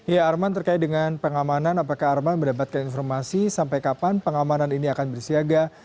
ya arman terkait dengan pengamanan apakah arman mendapatkan informasi sampai kapan pengamanan ini akan bersiaga